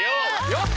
よっ！